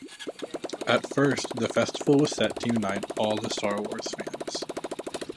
At first, the festival was set to unite all the Star Wars' fans.